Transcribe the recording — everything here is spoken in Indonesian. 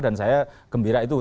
dan saya gembira itu